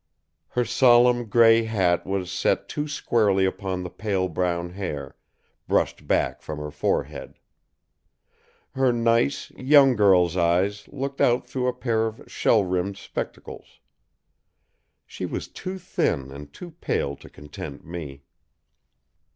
Her solemn gray hat was set too squarely upon the pale brown hair, brushed back from her forehead. Her nice, young girl's eyes looked out through a pair of shell rimmed spectacles. She was too thin and too pale to content me.